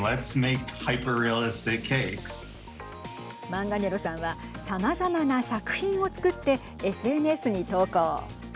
マンガネロさんはさまざまな作品を作ってＳＮＳに投稿。